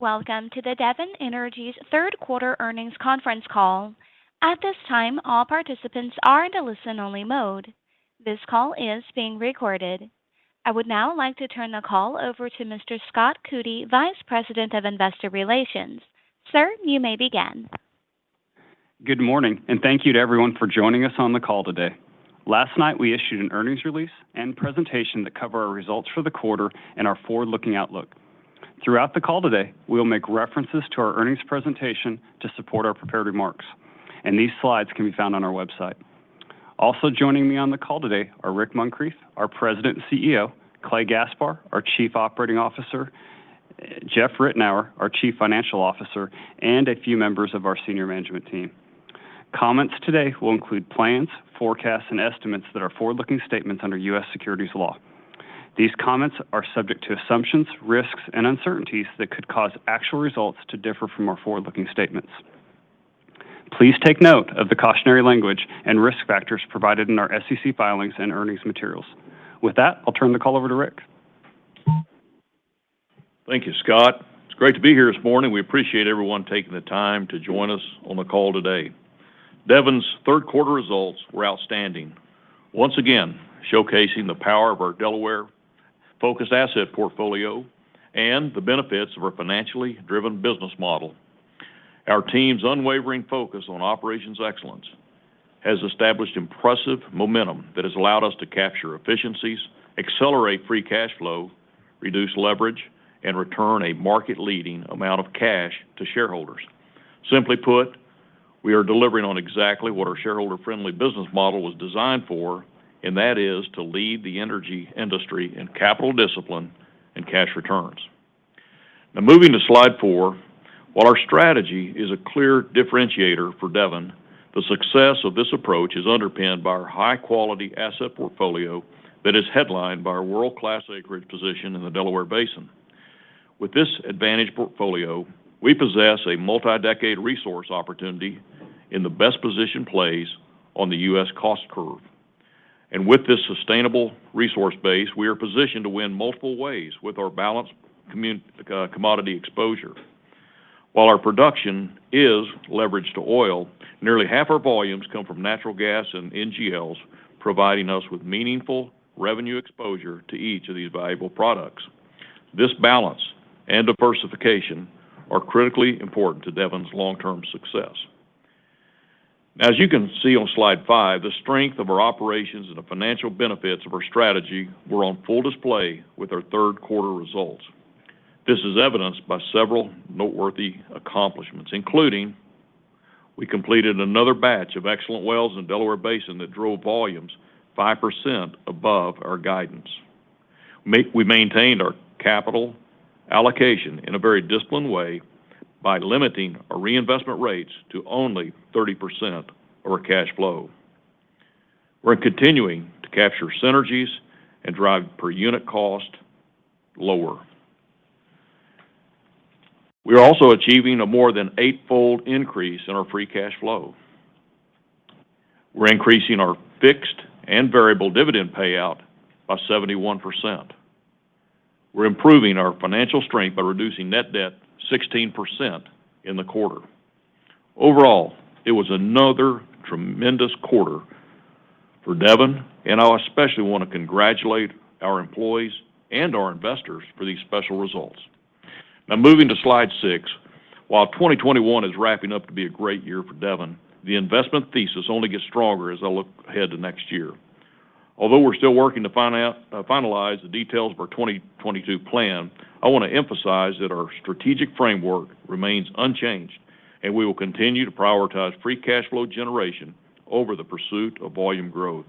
Welcome to the Devon Energy's third quarter earnings conference call. At this time, all participants are in a listen-only mode. This call is being recorded. I would now like to turn the call over to Mr. Scott Coody, Vice President of Investor Relations. Sir, you may begin. Good morning, and thank you to everyone for joining us on the call today. Last night, we issued an earnings release and presentation that cover our results for the quarter and our forward-looking outlook. Throughout the call today, we'll make references to our earnings presentation to support our prepared remarks, and these slides can be found on our website. Also joining me on the call today are Rick Muncrief, our President and CEO, Clay Gaspar, our Chief Operating Officer, Jeff Ritenour, our Chief Financial Officer, and a few members of our senior management team. Comments today will include plans, forecasts, and estimates that are forward-looking statements under U.S. securities law. These comments are subject to assumptions, risks, and uncertainties that could cause actual results to differ from our forward-looking statements. Please take note of the cautionary language and risk factors provided in our SEC filings and earnings materials. With that, I'll turn the call over to Rick. Thank you, Scott. It's great to be here this morning. We appreciate everyone taking the time to join us on the call today. Devon's third quarter results were outstanding, once again showcasing the power of our Delaware-focused asset portfolio and the benefits of our financially driven business model. Our team's unwavering focus on operational excellence has established impressive momentum that has allowed us to capture efficiencies, accelerate free cash flow, reduce leverage, and return a market-leading amount of cash to shareholders. Simply put, we are delivering on exactly what our shareholder-friendly business model was designed for, and that is to lead the energy industry in capital discipline and cash returns. Now moving to slide four, while our strategy is a clear differentiator for Devon, the success of this approach is underpinned by our high-quality asset portfolio that is headlined by our world-class acreage position in the Delaware Basin. With this advantage portfolio, we possess a multi-decade resource opportunity in the best-positioned place on the U.S. cost curve. With this sustainable resource base, we are positioned to win multiple ways with our balanced commodity exposure. While our production is leveraged to oil, nearly half our volumes come from natural gas and NGLs, providing us with meaningful revenue exposure to each of these valuable products. This balance and diversification are critically important to Devon's long-term success. As you can see on slide five, the strength of our operations and the financial benefits of our strategy were on full display with our third quarter results. This is evidenced by several noteworthy accomplishments, including we completed another batch of excellent wells in Delaware Basin that drove volumes 5% above our guidance. We maintained our capital allocation in a very disciplined way by limiting our reinvestment rates to only 30% of our cash flow. We're continuing to capture synergies and drive per unit cost lower. We are also achieving a more than eight-fold increase in our free cash flow. We're increasing our fixed and variable dividend payout by 71%. We're improving our financial strength by reducing net debt 16% in the quarter. Overall, it was another tremendous quarter for Devon, and I especially wanna congratulate our employees and our investors for these special results. Now moving to slide six. While 2021 is wrapping up to be a great year for Devon, the investment thesis only gets stronger as I look ahead to next year. Although we're still working to finalize the details of our 2022 plan, I wanna emphasize that our strategic framework remains unchanged, and we will continue to prioritize free cash flow generation over the pursuit of volume growth.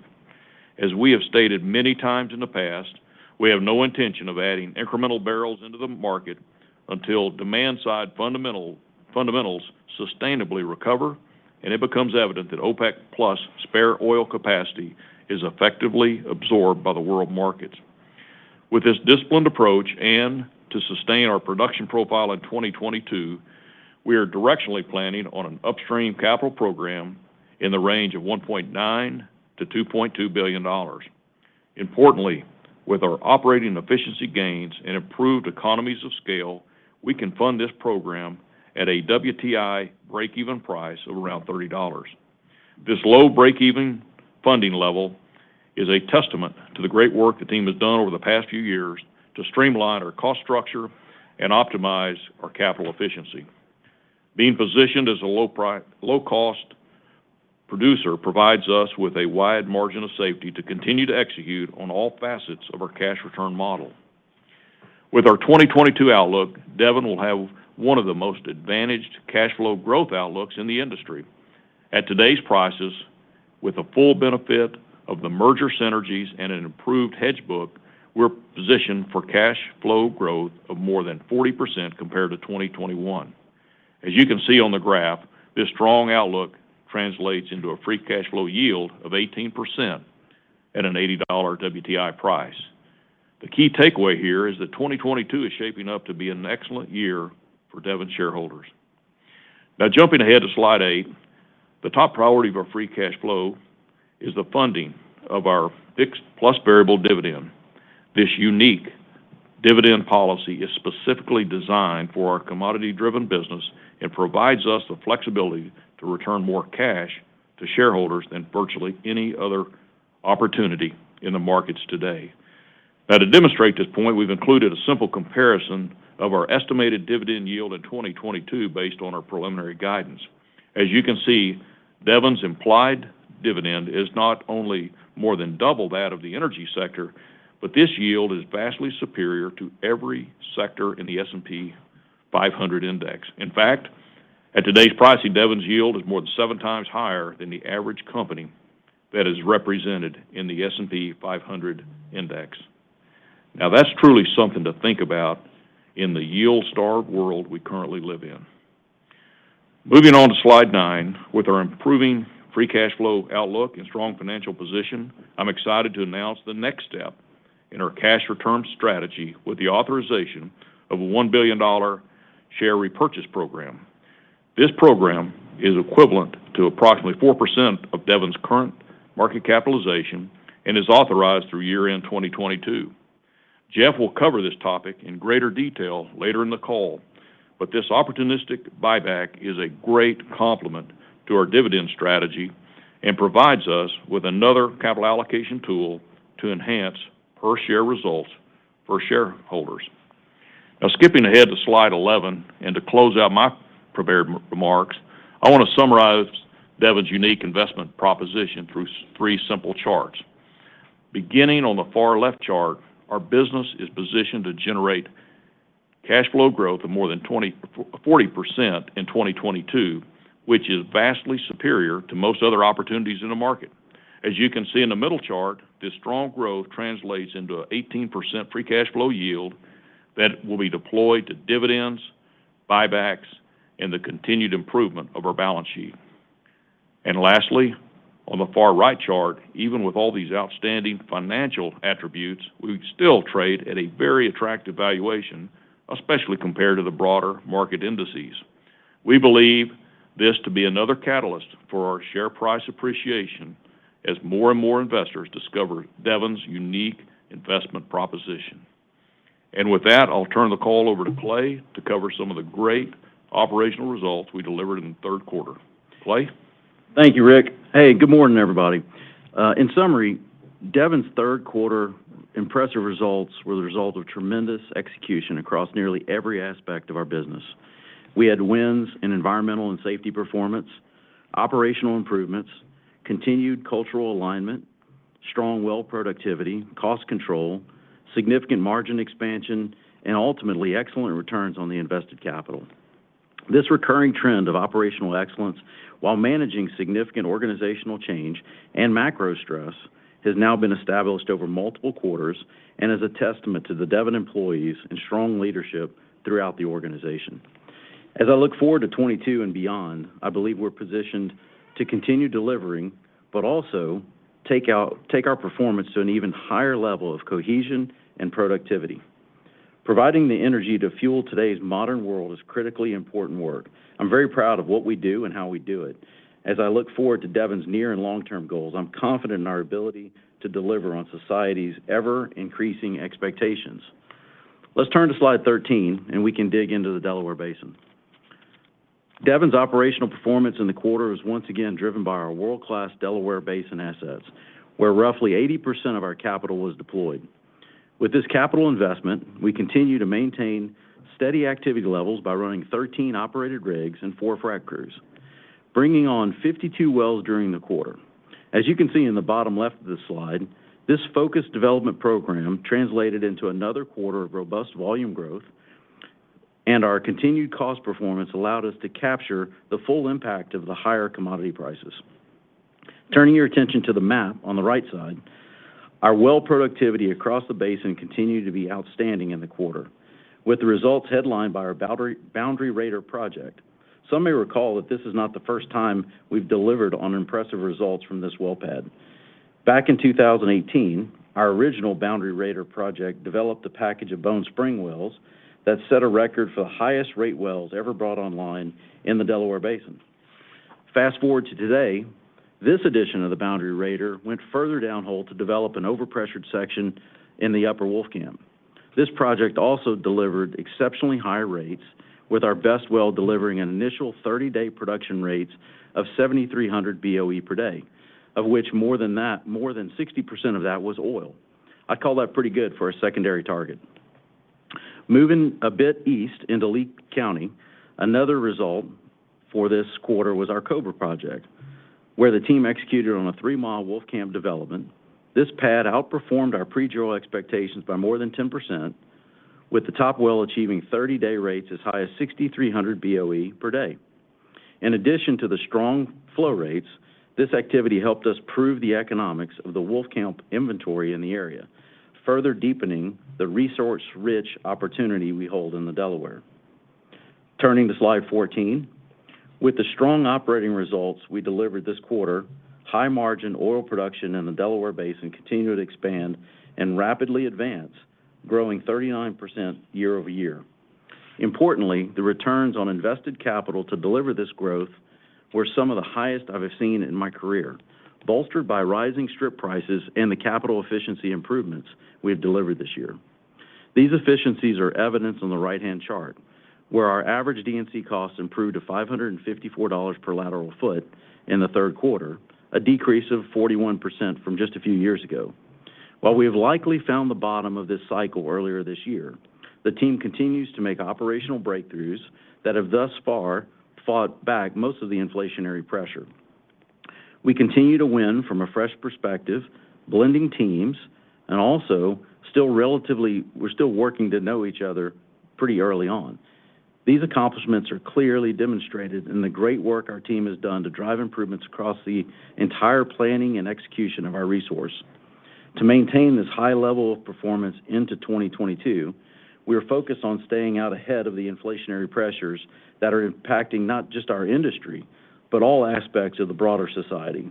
As we have stated many times in the past, we have no intention of adding incremental barrels into the market until demand-side fundamentals sustainably recover, and it becomes evident that OPEC+ spare oil capacity is effectively absorbed by the world markets. With this disciplined approach and to sustain our production profile in 2022, we are directionally planning on an upstream capital program in the range of $1.9 billion-$2.2 billion. Importantly, with our operating efficiency gains and improved economies of scale, we can fund this program at a WTI breakeven price of around $30. This low breakeven funding level is a testament to the great work the team has done over the past few years to streamline our cost structure and optimize our capital efficiency. Being positioned as a low cost producer provides us with a wide margin of safety to continue to execute on all facets of our cash return model. With our 2022 outlook, Devon will have one of the most advantaged cash flow growth outlooks in the industry. At today's prices, with the full benefit of the merger synergies and an improved hedge book, we're positioned for cash flow growth of more than 40% compared to 2021. As you can see on the graph, this strong outlook translates into a free cash flow yield of 18% at an $80 WTI price. The key takeaway here is that 2022 is shaping up to be an excellent year for Devon shareholders. Now jumping ahead to slide eight, the top priority of our free cash flow is the funding of our fixed plus variable dividend. This unique dividend policy is specifically designed for our commodity-driven business and provides us the flexibility to return more cash to shareholders than virtually any other opportunity in the markets today. Now to demonstrate this point, we've included a simple comparison of our estimated dividend yield in 2022 based on our preliminary guidance. As you can see, Devon's implied dividend is not only more than double that of the energy sector, but this yield is vastly superior to every sector in the S&P 500 index. In fact, at today's pricing, Devon's yield is more than seven times higher than the average company that is represented in the S&P 500 index. Now, that's truly something to think about in the yield-starved world we currently live in. Moving on to slide nine, with our improving free cash flow outlook and strong financial position, I'm excited to announce the next step in our cash return strategy with the authorization of a $1 billion share repurchase program. This program is equivalent to approximately 4% of Devon's current market capitalization and is authorized through year-end 2022. Jeff will cover this topic in greater detail later in the call, but this opportunistic buyback is a great complement to our dividend strategy and provides us with another capital allocation tool to enhance per share results for shareholders. Now, skipping ahead to slide 11 and to close out my prepared remarks, I want to summarize Devon's unique investment proposition through three simple charts. Beginning on the far left chart, our business is positioned to generate cash flow growth of more than 40% in 2022, which is vastly superior to most other opportunities in the market. As you can see in the middle chart, this strong growth translates into an 18% free cash flow yield that will be deployed to dividends, buybacks, and the continued improvement of our balance sheet. Lastly, on the far right chart, even with all these outstanding financial attributes, we still trade at a very attractive valuation, especially compared to the broader market indices. We believe this to be another catalyst for our share price appreciation as more and more investors discover Devon's unique investment proposition. With that, I'll turn the call over to Clay to cover some of the great operational results we delivered in the third quarter. Clay? Thank you, Rick. Hey, good morning, everybody. In summary, Devon's third quarter impressive results were the result of tremendous execution across nearly every aspect of our business. We had wins in environmental and safety performance, operational improvements, continued cultural alignment, strong well productivity, cost control, significant margin expansion, and ultimately, excellent returns on the invested capital. This recurring trend of operational excellence while managing significant organizational change and macro stress has now been established over multiple quarters and is a testament to the Devon employees and strong leadership throughout the organization. As I look forward to 2022 and beyond, I believe we're positioned to continue delivering, but also take our performance to an even higher level of cohesion and productivity. Providing the energy to fuel today's modern world is critically important work. I'm very proud of what we do and how we do it. As I look forward to Devon's near and long-term goals, I'm confident in our ability to deliver on society's ever-increasing expectations. Let's turn to slide 13, and we can dig into the Delaware Basin. Devon's operational performance in the quarter is once again driven by our world-class Delaware Basin assets, where roughly 80% of our capital was deployed. With this capital investment, we continue to maintain steady activity levels by running 13 operated rigs and four frack crews, bringing on 52 wells during the quarter. As you can see in the bottom left of this slide, this focused development program translated into another quarter of robust volume growth, and our continued cost performance allowed us to capture the full impact of the higher commodity prices. Turning your attention to the map on the right side, our well productivity across the basin continued to be outstanding in the quarter, with the results headlined by our Boundary Raider project. Some may recall that this is not the first time we've delivered on impressive results from this well pad. Back in 2018, our original Boundary Raider project developed a package of Bone Spring wells that set a record for the highest rate wells ever brought online in the Delaware Basin. Fast-forward to today, this edition of the Boundary Raider went further downhole to develop an overpressured section in the Upper Wolfcamp. This project also delivered exceptionally high rates, with our best well delivering an initial 30-day production rates of 7,300 BOE per day, of which more than 60% of that was oil. I'd call that pretty good for a secondary target. Moving a bit east into Lea County, another result for this quarter was our Cobra project, where the team executed on a three-mile Wolfcamp development. This pad outperformed our pre-drill expectations by more than 10%, with the top well achieving 30-day rates as high as 6,300 BOE per day. In addition to the strong flow rates, this activity helped us prove the economics of the Wolfcamp inventory in the area, further deepening the resource-rich opportunity we hold in the Delaware. Turning to slide 14, with the strong operating results we delivered this quarter, high-margin oil production in the Delaware Basin continued to expand and rapidly advance. Growing 39% year-over-year. Importantly, the returns on invested capital to deliver this growth were some of the highest I've seen in my career, bolstered by rising strip prices and the capital efficiency improvements we have delivered this year. These efficiencies are evidenced on the right-hand chart, where our average D&C costs improved to $554 per lateral foot in the third quarter, a decrease of 41% from just a few years ago. While we have likely found the bottom of this cycle earlier this year, the team continues to make operational breakthroughs that have thus far fought back most of the inflationary pressure. We continue to win from a fresh perspective, blending teams, and we're still working to know each other pretty early on. These accomplishments are clearly demonstrated in the great work our team has done to drive improvements across the entire planning and execution of our resource. To maintain this high level of performance into 2022, we are focused on staying out ahead of the inflationary pressures that are impacting not just our industry, but all aspects of the broader society.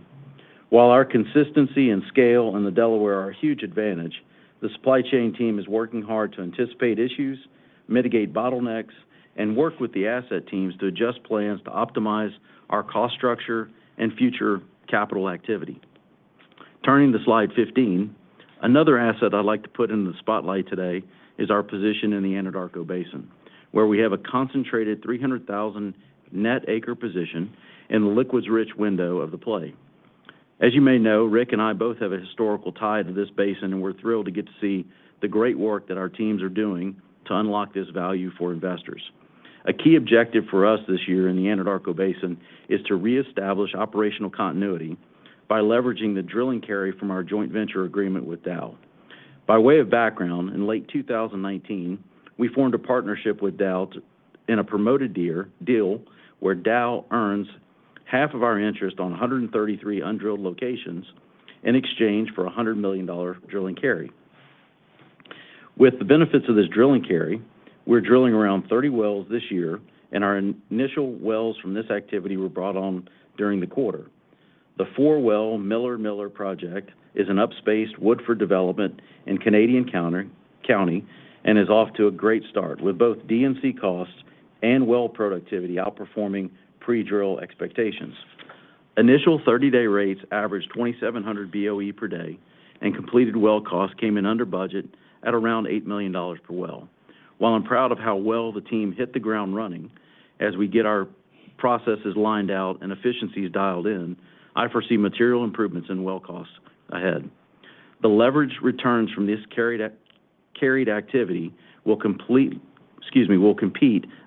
While our consistency and scale in the Delaware are a huge advantage, the supply chain team is working hard to anticipate issues, mitigate bottlenecks, and work with the asset teams to adjust plans to optimize our cost structure and future capital activity. Turning to slide 15, another asset I'd like to put in the spotlight today is our position in the Anadarko Basin, where we have a concentrated 300,000 net acre position in the liquids rich window of the play. As you may know, Rick and I both have a historical tie to this basin, and we're thrilled to get to see the great work that our teams are doing to unlock this value for investors. A key objective for us this year in the Anadarko Basin is to reestablish operational continuity by leveraging the drilling carry from our joint venture agreement with Dow. By way of background, in late 2019, we formed a partnership with Dow in a promoted deal where Dow earns half of our interest on 133 undrilled locations in exchange for a $100 million drilling carry. With the benefits of this drilling carry, we're drilling around 30 wells this year, and our initial wells from this activity were brought on during the quarter. The four-well Miller-Miller project is an upspaced Woodford development in Canadian County and is off to a great start, with both D&C costs and well productivity outperforming pre-drill expectations. Initial 30-day rates averaged 2,700 BOE per day, and completed well costs came in under budget at around $8 million per well. While I'm proud of how well the team hit the ground running, as we get our processes lined out and efficiencies dialed in, I foresee material improvements in well costs ahead. The leverage returns from this carried activity will compete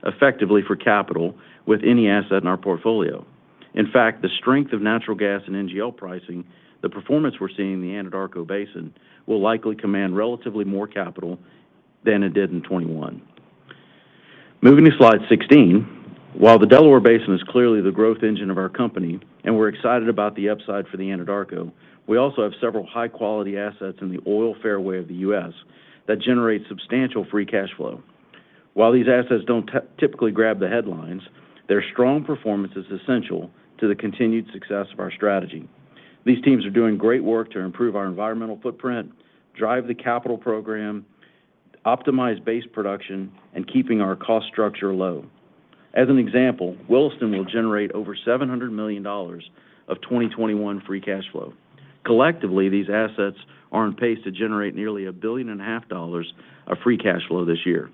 effectively for capital with any asset in our portfolio. In fact, the strength of natural gas and NGL pricing, the performance we're seeing in the Anadarko Basin will likely command relatively more capital than it did in 2021. Moving to slide 16, while the Delaware Basin is clearly the growth engine of our company, and we're excited about the upside for the Anadarko, we also have several high-quality assets in the oil fairway of the U.S. that generate substantial free cash flow. While these assets don't typically grab the headlines, their strong performance is essential to the continued success of our strategy. These teams are doing great work to improve our environmental footprint, drive the capital program, optimize base production, and keeping our cost structure low. As an example, Williston will generate over $700 million of 2021 free cash flow. Collectively, these assets are on pace to generate nearly $1.5 billion of free cash flow this year.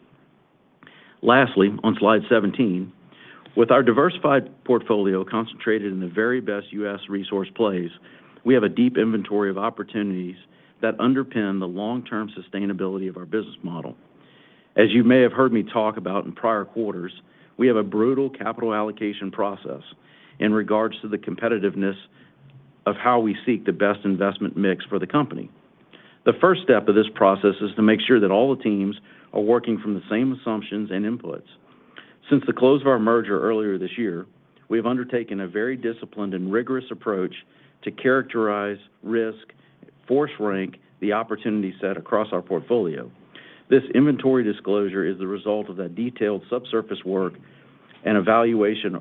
Lastly, on slide 17, with our diversified portfolio concentrated in the very best U.S. resource plays, we have a deep inventory of opportunities that underpin the long-term sustainability of our business model. As you may have heard me talk about in prior quarters, we have a brutal capital allocation process in regards to the competitiveness of how we seek the best investment mix for the company. The first step of this process is to make sure that all the teams are working from the same assumptions and inputs. Since the close of our merger earlier this year, we have undertaken a very disciplined and rigorous approach to characterize risk, force rank the opportunity set across our portfolio. This inventory disclosure is the result of that detailed subsurface work and evaluation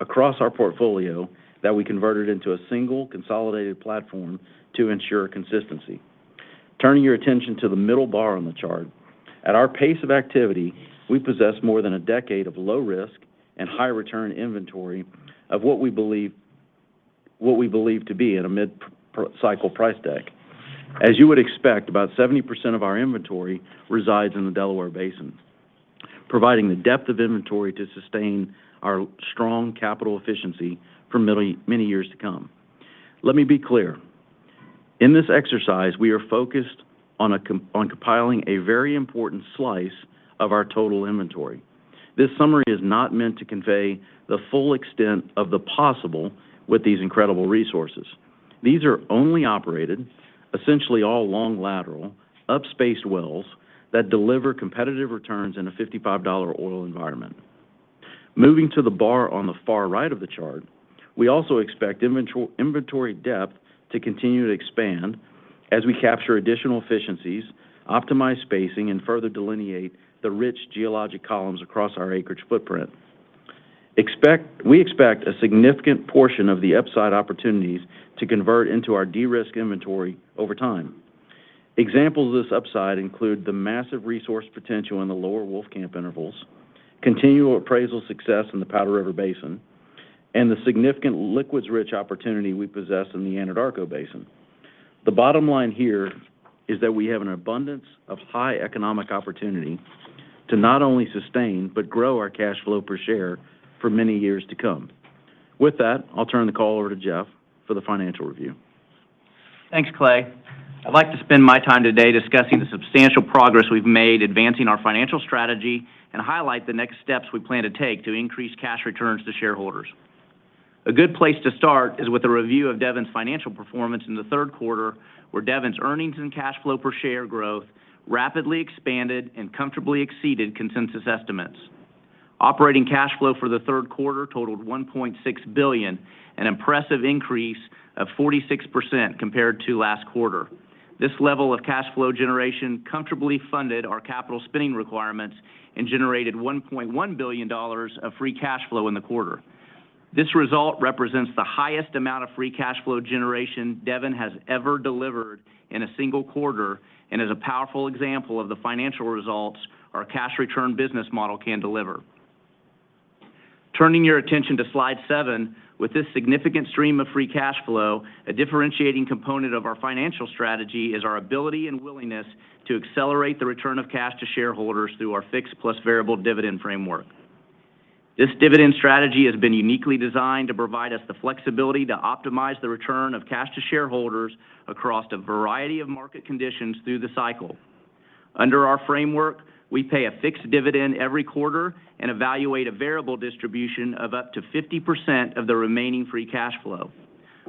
across our portfolio that we converted into a single consolidated platform to ensure consistency. Turning your attention to the middle bar on the chart, at our pace of activity, we possess more than a decade of low risk and high return inventory of what we believe to be in a mid-cycle price deck. As you would expect, about 70% of our inventory resides in the Delaware Basin, providing the depth of inventory to sustain our strong capital efficiency for many, many years to come. Let me be clear. In this exercise, we are focused on compiling a very important slice of our total inventory. This summary is not meant to convey the full extent of the possible with these incredible resources. These are only operated, essentially all long lateral, upspaced wells that deliver competitive returns in a $55 oil environment. Moving to the bar on the far right of the chart, we also expect inventory depth to continue to expand as we capture additional efficiencies, optimize spacing, and further delineate the rich geologic columns across our acreage footprint. We expect a significant portion of the upside opportunities to convert into our de-risk inventory over time. Examples of this upside include the massive resource potential in the Lower Wolfcamp intervals, continual appraisal success in the Powder River Basin, and the significant liquids rich opportunity we possess in the Anadarko Basin. The bottom line here is that we have an abundance of high economic opportunity to not only sustain, but grow our cash flow per share for many years to come. With that, I'll turn the call over to Jeff for the financial review. Thanks, Clay. I'd like to spend my time today discussing the substantial progress we've made advancing our financial strategy and highlight the next steps we plan to take to increase cash returns to shareholders. A good place to start is with a review of Devon's financial performance in the third quarter, where Devon's earnings and cash flow per share growth rapidly expanded and comfortably exceeded consensus estimates. Operating cash flow for the third quarter totaled $1.6 billion, an impressive increase of 46% compared to last quarter. This level of cash flow generation comfortably funded our capital spending requirements and generated $1.1 billion of free cash flow in the quarter. This result represents the highest amount of free cash flow generation Devon has ever delivered in a single quarter and is a powerful example of the financial results our cash return business model can deliver. Turning your attention to slide seven, with this significant stream of free cash flow, a differentiating component of our financial strategy is our ability and willingness to accelerate the return of cash to shareholders through our fixed plus variable dividend framework. This dividend strategy has been uniquely designed to provide us the flexibility to optimize the return of cash to shareholders across a variety of market conditions through the cycle. Under our framework, we pay a fixed dividend every quarter and evaluate a variable distribution of up to 50% of the remaining free cash flow.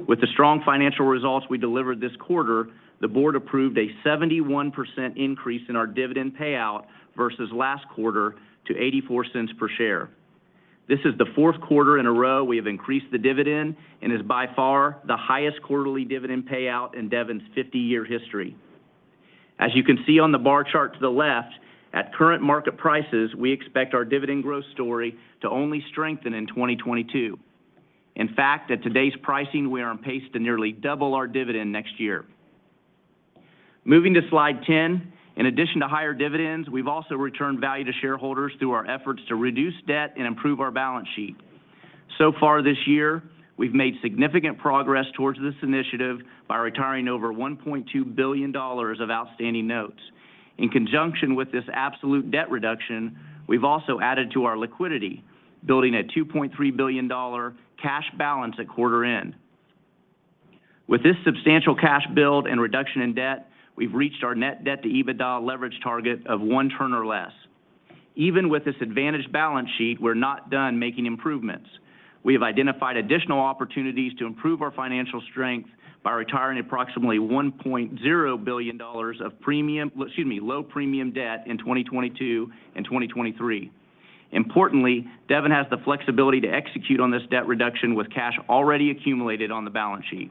With the strong financial results we delivered this quarter, the board approved a 71% increase in our dividend payout versus last quarter to $0.84 per share. This is the fourth quarter in a row we have increased the dividend and is by far the highest quarterly dividend payout in Devon's 50-year history. As you can see on the bar chart to the left, at current market prices, we expect our dividend growth story to only strengthen in 2022. In fact, at today's pricing, we are on pace to nearly double our dividend next year. Moving to slide 10, in addition to higher dividends, we've also returned value to shareholders through our efforts to reduce debt and improve our balance sheet. So far this year, we've made significant progress towards this initiative by retiring over $1.2 billion of outstanding notes. In conjunction with this absolute debt reduction, we've also added to our liquidity, building a $2.3 billion cash balance at quarter end. With this substantial cash build and reduction in debt, we've reached our net debt to EBITDA leverage target of one turn or less. Even with this advantaged balance sheet, we're not done making improvements. We have identified additional opportunities to improve our financial strength by retiring approximately $1.0 billion of premium, excuse me, low premium debt in 2022 and 2023. Importantly, Devon has the flexibility to execute on this debt reduction with cash already accumulated on the balance sheet.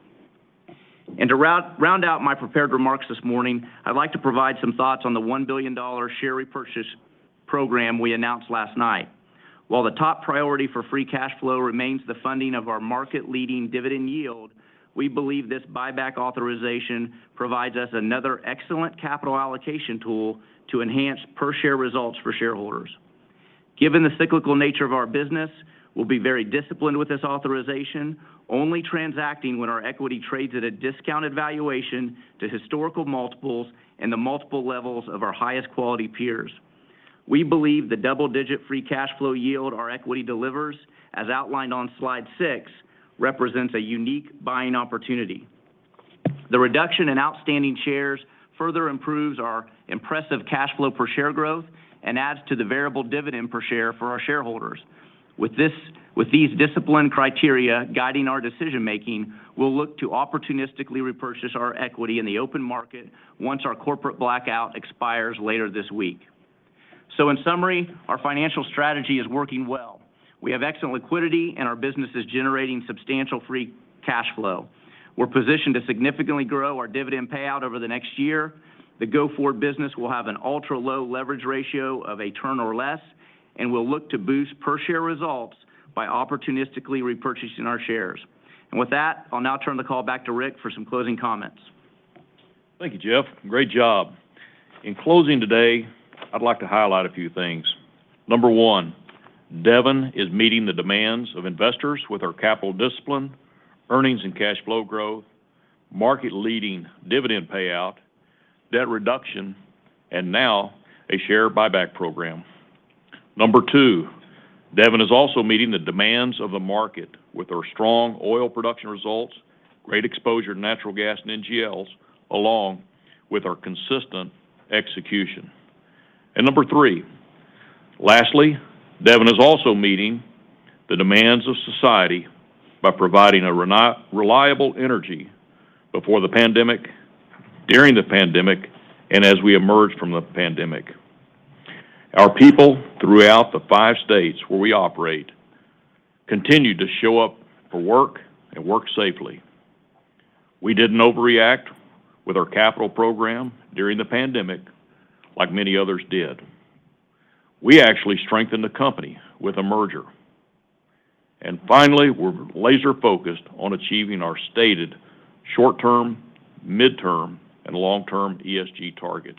To round out my prepared remarks this morning, I'd like to provide some thoughts on the $1 billion share repurchase program we announced last night. While the top priority for free cash flow remains the funding of our market-leading dividend yield, we believe this buyback authorization provides us another excellent capital allocation tool to enhance per share results for shareholders. Given the cyclical nature of our business, we'll be very disciplined with this authorization, only transacting when our equity trades at a discounted valuation to historical multiples and the multiple levels of our highest quality peers. We believe the double-digit free cash flow yield our equity delivers, as outlined on slide six, represents a unique buying opportunity. The reduction in outstanding shares further improves our impressive cash flow per share growth and adds to the variable dividend per share for our shareholders. With this, with these disciplined criteria guiding our decision-making, we'll look to opportunistically repurchase our equity in the open market once our corporate blackout expires later this week. In summary, our financial strategy is working well. We have excellent liquidity, and our business is generating substantial free cash flow. We're positioned to significantly grow our dividend payout over the next year. The go-forward business will have an ultra-low leverage ratio of a turn or less, and we'll look to boost per share results by opportunistically repurchasing our shares. With that, I'll now turn the call back to Rick for some closing comments. Thank you, Jeff. Great job. In closing today, I'd like to highlight a few things. Number one, Devon is meeting the demands of investors with our capital discipline, earnings and cash flow growth, market-leading dividend payout, debt reduction, and now a share buyback program. Number two, Devon is also meeting the demands of the market with our strong oil production results, great exposure to natural gas and NGLs, along with our consistent execution. Number three, lastly, Devon is also meeting the demands of society by providing a reliable energy before the pandemic, during the pandemic, and as we emerge from the pandemic. Our people throughout the five states where we operate continue to show up for work and work safely. We didn't overreact with our capital program during the pandemic like many others did. We actually strengthened the company with a merger. Finally, we're laser-focused on achieving our stated short-term, mid-term, and long-term ESG targets.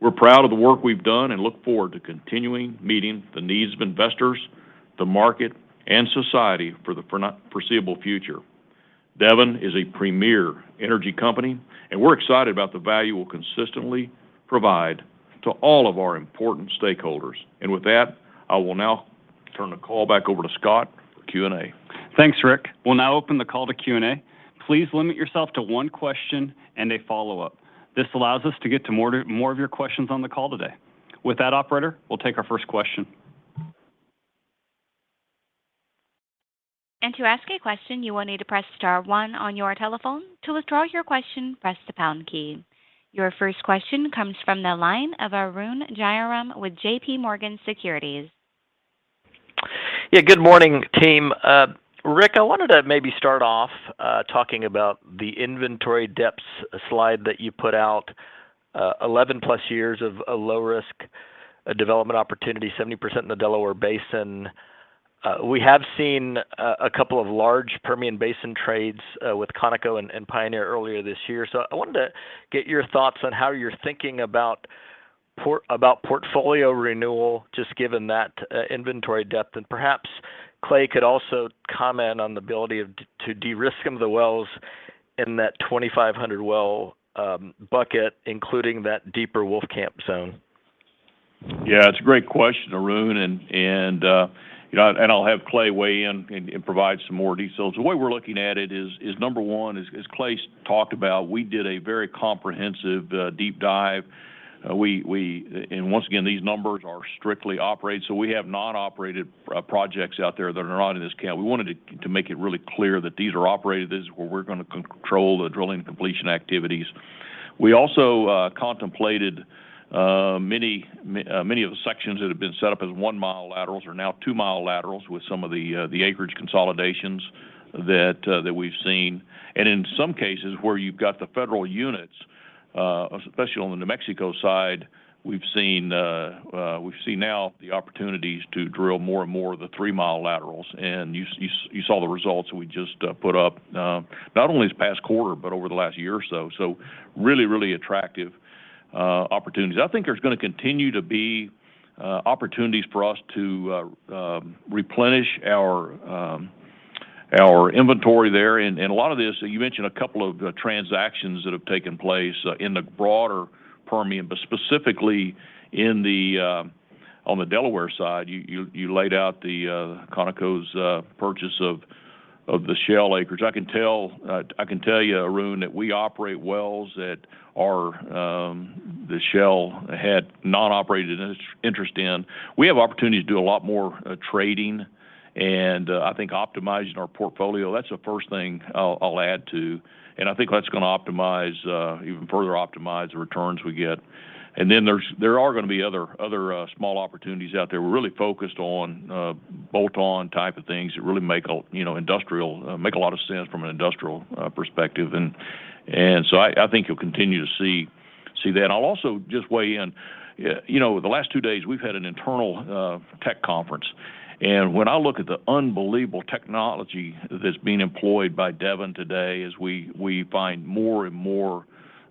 We're proud of the work we've done and look forward to continuing meeting the needs of investors, the market, and society for the foreseeable future. Devon is a premier energy company, and we're excited about the value we'll consistently provide to all of our important stakeholders. With that, I will now turn the call back over to Scott for Q&A. Thanks, Rick. We'll now open the call to Q&A. Please limit yourself to one question and a follow-up. This allows us to get to more of your questions on the call today. With that, operator, we'll take our first question. To ask a question, you'll need to press star one on your telephone. To withdraw your question, press the pound key. Your first question comes from the line of Arun Jayaram with JPMorgan Securities. Yeah, good morning, team. Rick, I wanted to maybe start off, talking about the inventory depths slide that you put out, 11+ years of low-risk development opportunity, 70% in the Delaware Basin. We have seen a couple of large Permian Basin trades, with Conoco and Pioneer earlier this year. I wanted to get your thoughts on how you're thinking about about portfolio renewal, just given that inventory depth. Perhaps Clay could also comment on the ability to de-risk some of the wells in that 2,500-well bucket, including that deeper Wolfcamp zone. Yeah, it's a great question, Arun. You know, I'll have Clay weigh in and provide some more details. The way we're looking at it is number one, as Clay's talked about, we did a very comprehensive deep dive. Once again, these numbers are strictly operated, so we have non-operated projects out there that are not in this count. We wanted to make it really clear that these are operated. This is where we're gonna control the drilling completion activities. We also contemplated many of the sections that have been set up as one-mile laterals are now two-mile laterals with some of the acreage consolidations that we've seen. In some cases, where you've got the federal units, especially on the New Mexico side, we've seen now the opportunities to drill more and more of the 3-mile laterals. You saw the results we just put up, not only this past quarter, but over the last year or so. Really attractive opportunities. I think there's gonna continue to be opportunities for us to replenish our inventory there. A lot of this, you mentioned a couple of transactions that have taken place in the broader Permian, but specifically on the Delaware side, you laid out the ConocoPhillips's purchase of the Shell acreage. I can tell you, Arun, that we operate wells that Shell had non-operated interest in. We have opportunities to do a lot more trading, and I think optimizing our portfolio, that's the first thing I'll add to. I think that's gonna even further optimize the returns we get. There are gonna be other small opportunities out there. We're really focused on bolt-on type of things that really make a lot of sense from an industrial perspective. I think you'll continue to see that. I'll also just weigh in. You know, the last two days, we've had an internal tech conference. When I look at the unbelievable technology that's being employed by Devon today as we find more and more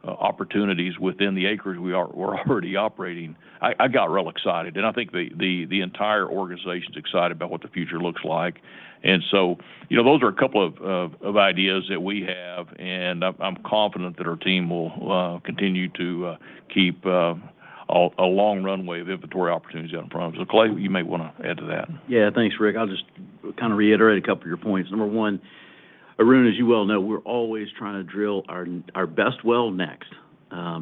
opportunities within the acreage we're already operating, I got real excited, and I think the entire organization's excited about what the future looks like. You know, those are a couple of ideas that we have, and I'm confident that our team will continue to keep a long runway of inventory opportunities out in front of us. Clay, you may wanna add to that. Yeah. Thanks, Rick. I'll just kinda reiterate a couple of your points. Number one, Arun, as you well know, we're always trying to drill our best well next.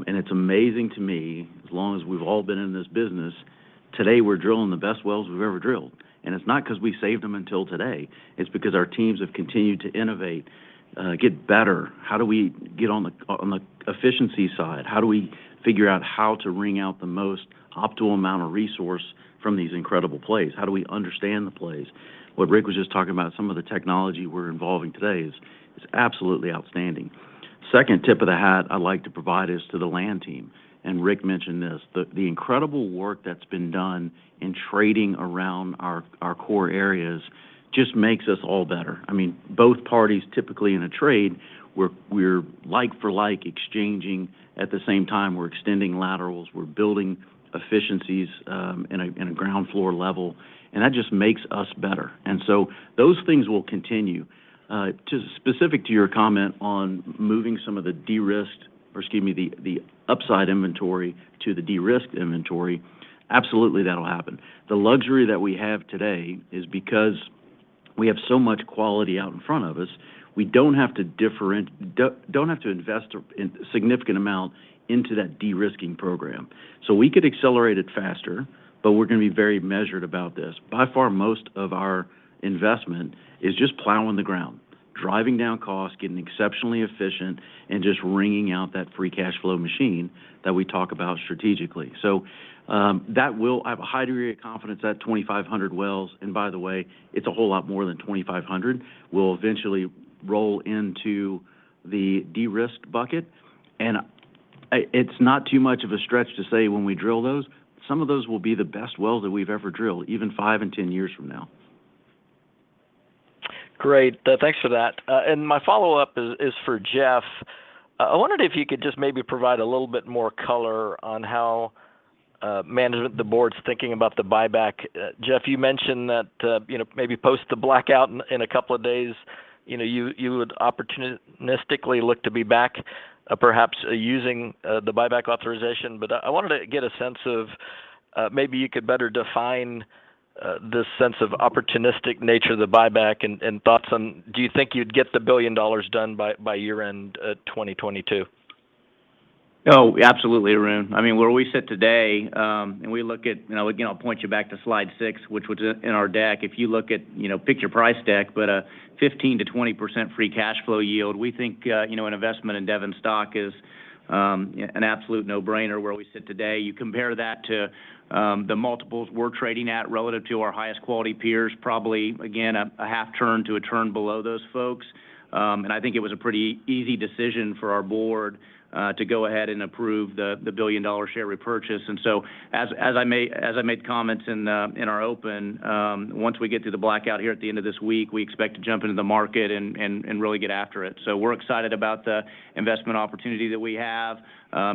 It's amazing to me, as long as we've all been in this business, today we're drilling the best wells we've ever drilled. It's not 'cause we saved them until today. It's because our teams have continued to innovate, get better. How do we get on the efficiency side? How do we figure out how to wring out the most optimal amount of resource from these incredible plays? How do we understand the plays? What Rick was just talking about, some of the technology we're involving today is absolutely outstanding. Second tip of the hat I'd like to provide is to the land team. Rick mentioned this. The incredible work that's been done in trading around our core areas just makes us all better. I mean, both parties typically in a trade, we're like for like exchanging at the same time. We're extending laterals. We're building efficiencies in a ground floor level, and that just makes us better. Those things will continue. Specific to your comment on moving some of the de-risked, or excuse me, the upside inventory to the de-risked inventory, absolutely that'll happen. The luxury that we have today is because we have so much quality out in front of us, we don't have to invest a significant amount into that de-risking program. We could accelerate it faster, but we're gonna be very measured about this. By far, most of our investment is just plowing the ground, driving down costs, getting exceptionally efficient. Just wringing out that free cash flow machine that we talk about strategically. I have a high degree of confidence that 2,500 wells, and by the way, it's a whole lot more than 2,500, will eventually roll into the de-risked bucket. It's not too much of a stretch to say when we drill those, some of those will be the best wells that we've ever drilled, even 5 and 10 years from now. Great. Thanks for that. My follow-up is for Jeff. I wondered if you could just maybe provide a little bit more color on how management, the board's thinking about the buyback. Jeff, you mentioned that, you know, maybe post the blackout in a couple of days, you know, you would opportunistically look to be back, perhaps, using the buyback authorization. I wanted to get a sense of, maybe you could better define the sense of opportunistic nature of the buyback and thoughts on do you think you'd get the $1 billion done by year-end 2022? Oh, absolutely, Arun. I mean, where we sit today, and we look at, you know, again, I'll point you back to slide six, which was in our deck. If you look at, you know, pick your price deck, but 15%-20% free cash flow yield, we think, you know, an investment in Devon stock is an absolute no-brainer where we sit today. You compare that to the multiples we're trading at relative to our highest quality peers, probably, again, a half turn to a turn below those folks. I think it was a pretty easy decision for our board to go ahead and approve the billion-dollar share repurchase. As I made comments in our open, once we get through the blackout here at the end of this week, we expect to jump into the market and really get after it. We're excited about the investment opportunity that we have,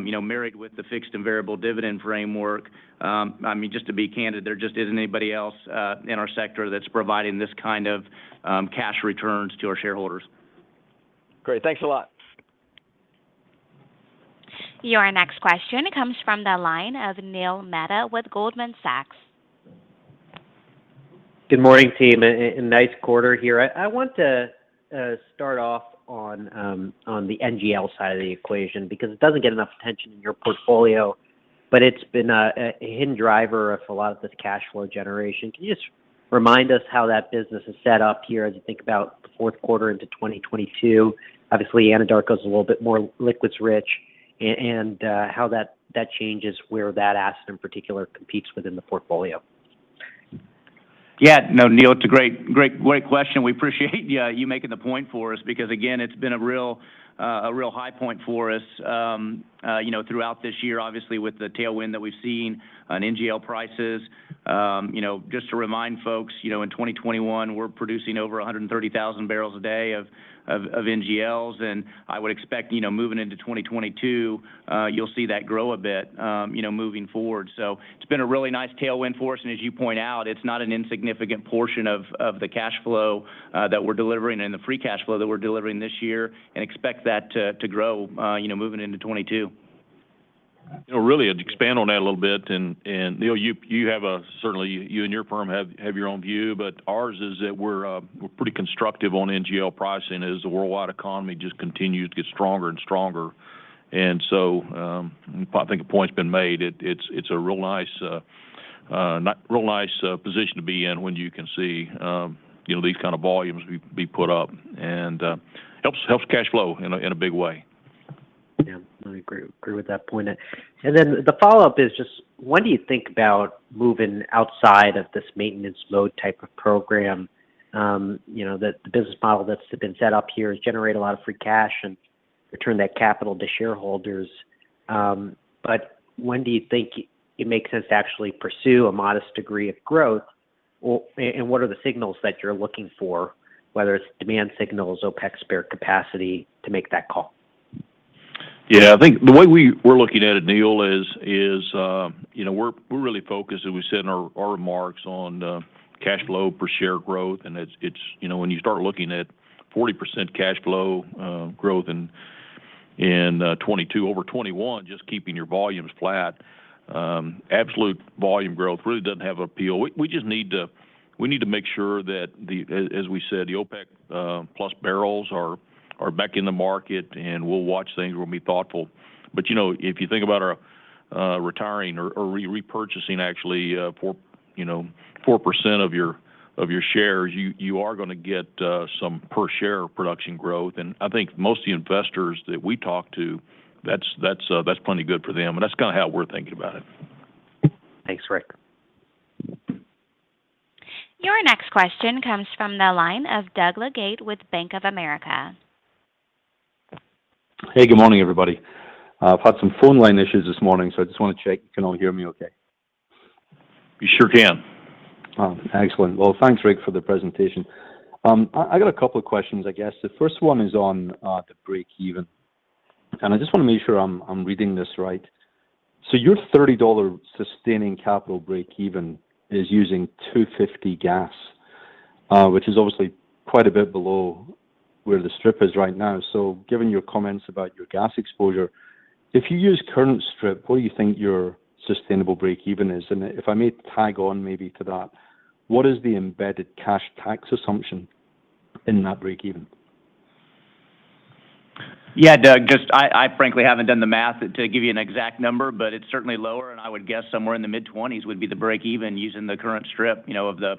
you know, married with the fixed and variable dividend framework. I mean, just to be candid, there just isn't anybody else in our sector that's providing this kind of cash returns to our shareholders. Great. Thanks a lot. Your next question comes from the line of Neil Mehta with Goldman Sachs. Good morning, team, and nice quarter here. I want to start off on the NGL side of the equation because it doesn't get enough attention in your portfolio, but it's been a hidden driver of a lot of this cash flow generation. Can you just remind us how that business is set up here as you think about the fourth quarter into 2022? Obviously, Anadarko's a little bit more liquids rich and how that changes where that asset in particular competes within the portfolio. Yeah. No, Neil, it's a great question. We appreciate you making the point for us because, again, it's been a real high point for us, you know, throughout this year, obviously, with the tailwind that we've seen on NGL prices. You know, just to remind folks, you know, in 2021, we're producing over 130,000 barrels a day of NGLs, and I would expect, you know, moving into 2022, you'll see that grow a bit, you know, moving forward. It's been a really nice tailwind for us, and as you point out, it's not an insignificant portion of the cash flow that we're delivering and the free cash flow that we're delivering this year and expect that to grow, you know, moving into 2022. You know, really to expand on that a little bit, and Neil, you certainly you and your firm have your own view, but ours is that we're pretty constructive on NGL pricing as the worldwide economy just continues to get stronger and stronger. I think a point's been made. It's a real nice position to be in when you can see, you know, these kind of volumes be put up and helps cash flow in a big way. Yeah. I agree with that point. Then the follow-up is just when do you think about moving outside of this maintenance load type of program, you know, that the business model that's been set up here is generate a lot of free cash and return that capital to shareholders. When do you think it makes sense to actually pursue a modest degree of growth, and what are the signals that you're looking for, whether it's demand signals, OPEC spare capacity to make that call? Yeah. I think the way we're looking at it, Neil, is you know, we're really focused, as we said in our remarks, on cash flow per share growth, and it's you know, when you start looking at 40% cash flow growth in 2022 over 2021, just keeping your volumes flat, absolute volume growth really doesn't have appeal. We just need to make sure that, as we said, the OPEC+ barrels are back in the market, and we'll watch things. We'll be thoughtful. You know, if you think about retiring or repurchasing actually 4% of your shares, you are gonna get some per share production growth. I think most of the investors that we talk to, that's plenty good for them, and that's kinda how we're thinking about it. Thanks, Rick. Your next question comes from the line of Doug Leggate with Bank of America. Hey, good morning, everybody. I've had some phone line issues this morning, so I just wanna check you can all hear me okay. We sure can. Oh, excellent. Well, thanks, Rick, for the presentation. I got a couple of questions, I guess. The first one is on the breakeven, and I just wanna make sure I'm reading this right. Your $30 sustaining capital breakeven is using $2.50 gas, which is obviously quite a bit below where the strip is right now. Given your comments about your gas exposure, if you use current strip, what do you think your sustainable breakeven is? And if I may tag on maybe to that, what is the embedded cash tax assumption in that breakeven? Yeah. Doug, I frankly haven't done the math to give you an exact number, but it's certainly lower, and I would guess somewhere in the mid-20s would be the breakeven using the current strip, you know, of the,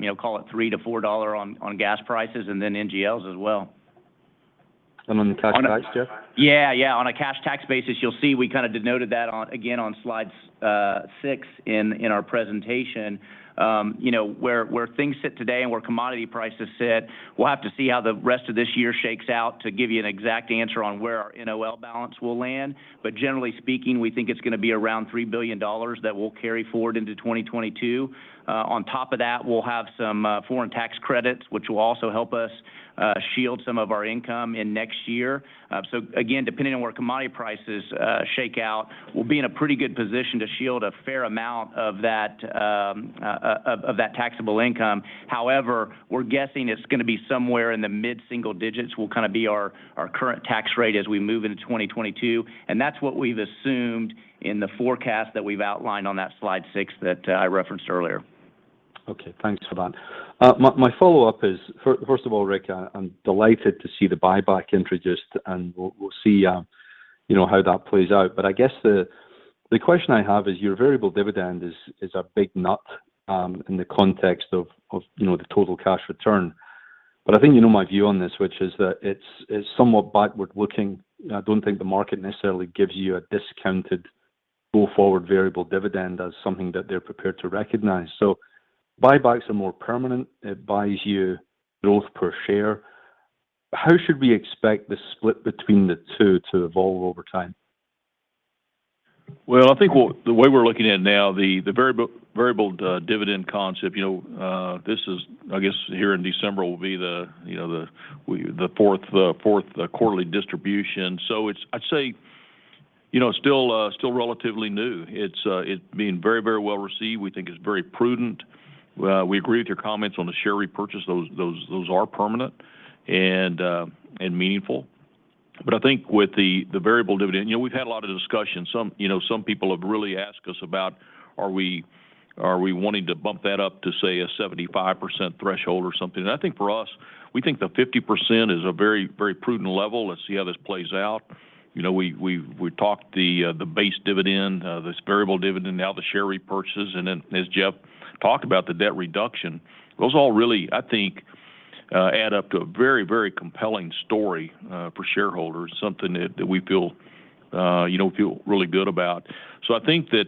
you know, call it $3-$4 on gas prices and then NGLs as well. Some on the cash tax, Jeff? Yeah, yeah. On a cash tax basis, you'll see we kind of denoted that on, again, on slide 6 in our presentation. You know, where things sit today and where commodity prices sit, we'll have to see how the rest of this year shakes out to give you an exact answer on where our NOL balance will land. Generally speaking, we think it's gonna be around $3 billion that we'll carry forward into 2022. On top of that, we'll have some foreign tax credits, which will also help us shield some of our income in next year. Again, depending on where commodity prices shake out, we'll be in a pretty good position to shield a fair amount of that of that taxable income. However, we're guessing it's gonna be somewhere in the mid-single digits, will kind of be our current tax rate as we move into 2022. That's what we've assumed in the forecast that we've outlined on that slide six that I referenced earlier. Okay. Thanks for that. My follow-up is first of all, Rick, I'm delighted to see the buyback introduced, and we'll see, you know, how that plays out. But I guess the question I have is your variable dividend is a big nut in the context of, you know, the total cash return. But I think you know my view on this, which is that it's somewhat backward-looking. I don't think the market necessarily gives you a discounted go-forward variable dividend as something that they're prepared to recognize. So buybacks are more permanent. It buys you growth per share. How should we expect the split between the two to evolve over time? Well, I think the way we're looking at it now, the variable dividend concept, you know, this is, I guess, here in December, will be, you know, the fourth quarterly distribution. It's, I'd say, you know, still relatively new. It's being very, very well-received. We think it's very prudent. We agree with your comments on the share repurchase. Those are permanent and meaningful. I think with the variable dividend, you know, we've had a lot of discussions. Some people have really asked us about are we wanting to bump that up to, say, a 75% threshold or something? I think for us, we think the 50% is a very, very prudent level. Let's see how this plays out. You know, we talked about the base dividend, this variable dividend, now the share repurchases, and then as Jeff talked about, the debt reduction. Those all really, I think, add up to a very compelling story for shareholders, something that we feel, you know, really good about. I think that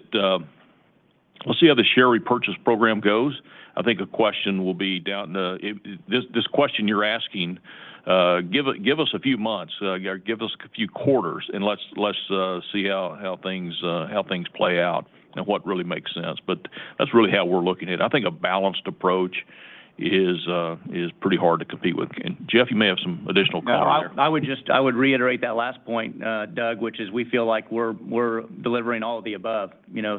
we'll see how the share repurchase program goes. I think a question will be. This question you're asking, give us a few months, or give us a few quarters, and let's see how things play out and what really makes sense. That's really how we're looking at it. I think a balanced approach is pretty hard to compete with. Jeff, you may have some additional color there. No, I would just reiterate that last point, Doug, which is we feel like we're delivering all of the above, you know.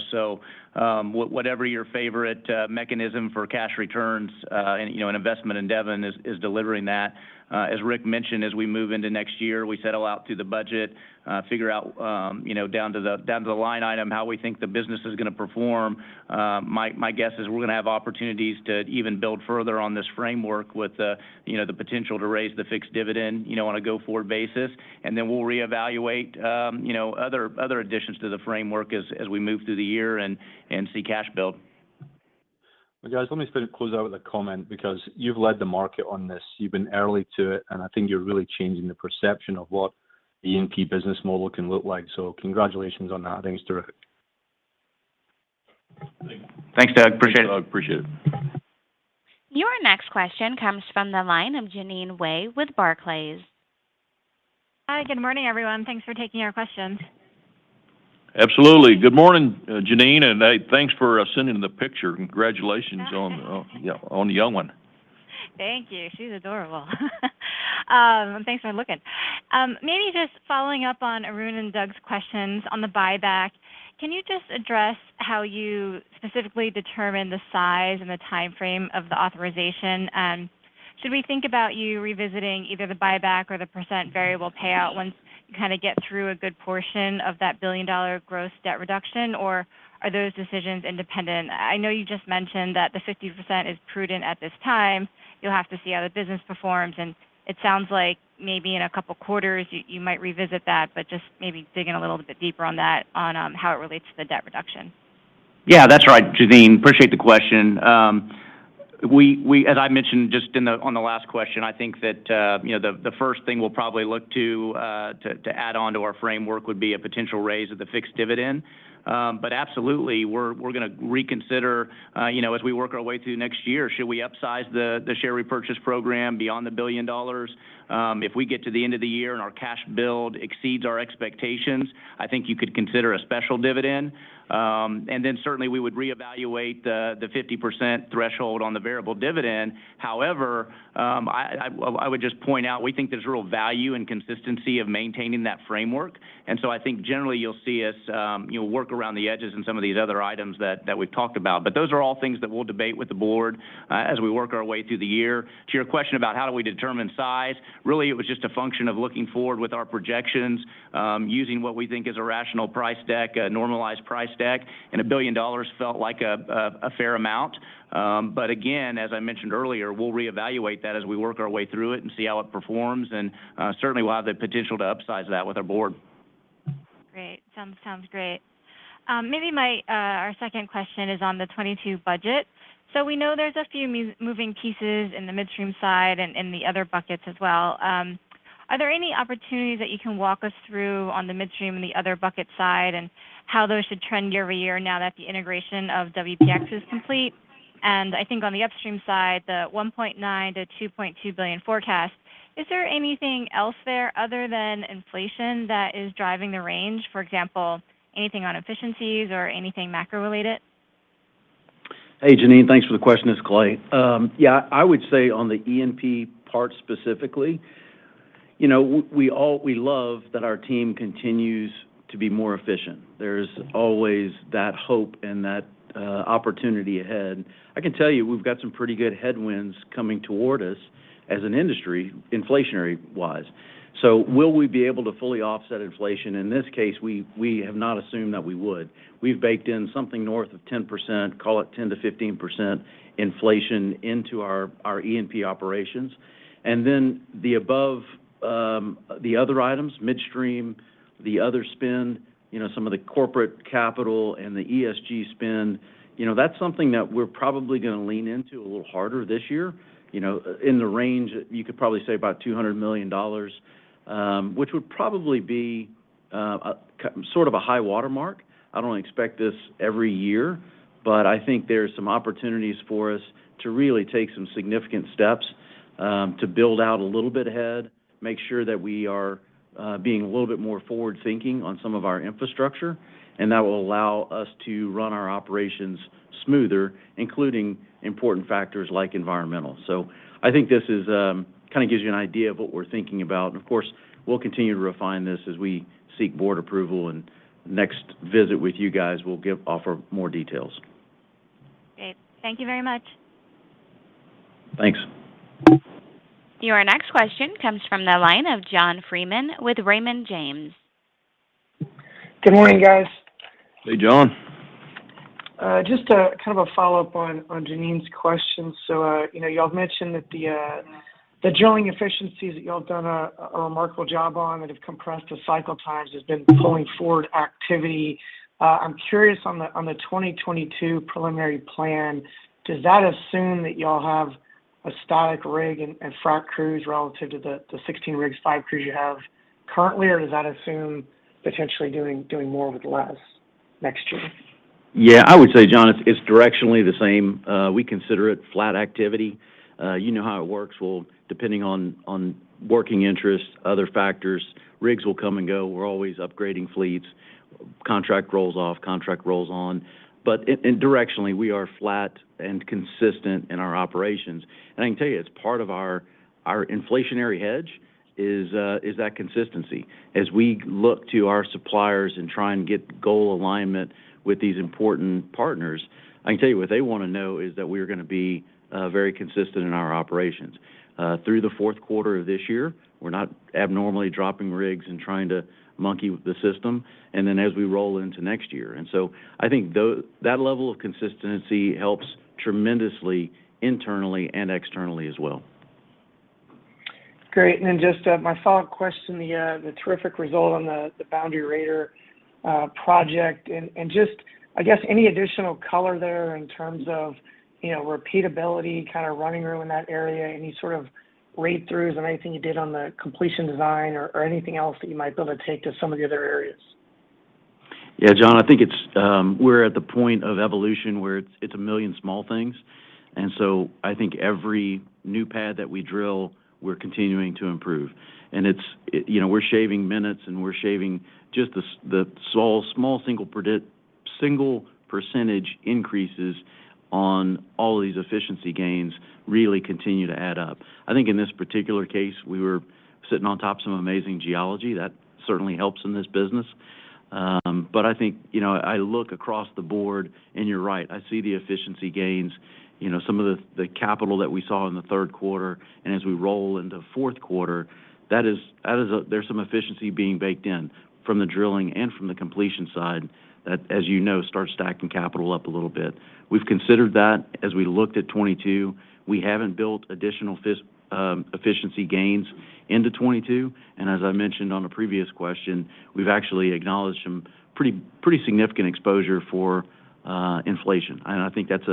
Whatever your favorite mechanism for cash returns, and you know, an investment in Devon is delivering that. As Rick mentioned, as we move into next year, we set out through the budget, figure out, you know, down to the line item how we think the business is gonna perform. My guess is we're gonna have opportunities to even build further on this framework with, you know, the potential to raise the fixed dividend, you know, on a go-forward basis. Then we'll reevaluate, you know, other additions to the framework as we move through the year and see cash build. Well, guys, let me sort of close out with a comment because you've led the market on this. You've been early to it, and I think you're really changing the perception of what the E&P business model can look like. Congratulations on that. I think it's terrific. Thanks. Thanks, Doug. I appreciate it. Thanks, Doug. I appreciate it. Your next question comes from the line of Jeanine Wai with Barclays. Hi. Good morning, everyone. Thanks for taking our questions. Absolutely. Good morning, Jeanine, and thanks for sending the picture. Congratulations. Oh, thank you. On, yeah, on the young one. Thank you. She's adorable. Thanks for looking. Maybe just following up on Arun and Doug's questions on the buyback. Can you just address how you specifically determine the size and the timeframe of the authorization? Should we think about you revisiting either the buyback or the percent variable payout once you kinda get through a good portion of that $1 billion gross debt reduction, or are those decisions independent? I know you just mentioned that the 50% is prudent at this time. You'll have to see how the business performs, and it sounds like maybe in a couple quarters you might revisit that, but just maybe digging a little bit deeper on that, how it relates to the debt reduction. Yeah, that's right, Jeanine. Appreciate the question. We, as I mentioned just on the last question, I think that, you know, the first thing we'll probably look to add on to our framework would be a potential raise of the fixed dividend. Absolutely, we're gonna reconsider, you know, as we work our way through next year, should we upsize the share repurchase program beyond the $1 billion. If we get to the end of the year and our cash build exceeds our expectations, I think you could consider a special dividend. Certainly we would reevaluate the 50% threshold on the variable dividend. However, I well, I would just point out we think there's real value and consistency of maintaining that framework. I think generally you'll see us, you know, work around the edges in some of these other items that we've talked about. Those are all things that we'll debate with the board, as we work our way through the year. To your question about how do we determine size, really it was just a function of looking forward with our projections, using what we think is a rational price deck, a normalized price deck, and $1 billion felt like a fair amount. But again, as I mentioned earlier, we'll reevaluate that as we work our way through it and see how it performs. Certainly we'll have the potential to upsize that with our board. Great. Sounds great. Maybe our second question is on the 2022 budget. We know there's a few moving pieces in the midstream side and in the other buckets as well. Are there any opportunities that you can walk us through on the midstream and the other bucket side, and how those should trend year over year now that the integration of WPX is complete? I think on the upstream side, the $1.9 billion-$2.2 billion forecast, is there anything else there other than inflation that is driving the range? For example, anything on efficiencies or anything macro-related? Hey, Jeanine. Thanks for the question. It's Clay. Yeah, I would say on the E&P part specifically, you know, we love that our team continues to be more efficient. There's always that hope and that opportunity ahead. I can tell you, we've got some pretty good headwinds coming toward us as an industry inflationary-wise. Will we be able to fully offset inflation? In this case, we have not assumed that we would. We've baked in something north of 10%, call it 10%-15% inflation into our E&P operations. The above, the other items, midstream, the other spend, you know, some of the corporate capital and the ESG spend, you know, that's something that we're probably gonna lean into a little harder this year, you know, in the range, you could probably say about $200 million, which would probably be sort of a high watermark. I don't expect this every year, but I think there's some opportunities for us to really take some significant steps to build out a little bit ahead, make sure that we are being a little bit more forward-thinking on some of our infrastructure, and that will allow us to run our operations smoother, including important factors like environmental. I think this kinda gives you an idea of what we're thinking about. Of course, we'll continue to refine this as we seek board approval, and next visit with you guys, we'll offer more details. Great. Thank you very much. Thanks. Your next question comes from the line of John Freeman with Raymond James. Good morning, guys. Hey, John. Just to kind of a follow-up on Jeanine Wai's question. You know, y'all mentioned that the drilling efficiencies that y'all have done a remarkable job on that have compressed the cycle times has been pulling forward activity. I'm curious on the 2022 preliminary plan, does that assume that y'all have a static rig and frac crews relative to the 16 rigs, five crews you have currently, or does that assume potentially doing more with less next year? Yeah. I would say, John, it's directionally the same. We consider it flat activity. You know how it works. Well, depending on working interest, other factors, rigs will come and go. We're always upgrading fleets. Contract rolls off, contract rolls on. But, and directionally, we are flat and consistent in our operations. I can tell you, as part of our inflationary hedge is that consistency. As we look to our suppliers and try and get goal alignment with these important partners, I can tell you what they wanna know is that we're gonna be very consistent in our operations through the fourth quarter of this year. We're not abnormally dropping rigs and trying to monkey with the system, and then as we roll into next year. I think that level of consistency helps tremendously internally and externally as well. Great. Just my follow-up question, the terrific result on the Boundary Raider project and just, I guess, any additional color there in terms of, you know, repeatability, kinda running room in that area, any sort of read-throughs on anything you did on the completion design or anything else that you might be able to take to some of the other areas? Yeah, John, I think it's we're at the point of evolution where it's a million small things. I think every new pad that we drill, we're continuing to improve. It's you know, we're shaving minutes, and we're shaving just the small single percentage increases on all of these efficiency gains really continue to add up. I think in this particular case, we were sitting on top of some amazing geology. That certainly helps in this business. I think, you know, I look across the board, and you're right, I see the efficiency gains. You know, some of the capital that we saw in the third quarter, and as we roll into fourth quarter, that is, there's some efficiency being baked in from the drilling and from the completion side that, as you know, starts stacking capital up a little bit. We've considered that as we looked at 2022. We haven't built additional efficiency gains into 2022. As I mentioned on a previous question, we've actually acknowledged some pretty significant exposure for inflation. I think that's